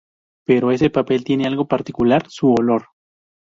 Pero ese papel tiene algo particular, su olor!